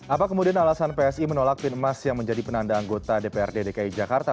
apa kemudian alasan psi menolak pin emas yang menjadi penanda anggota dprd dki jakarta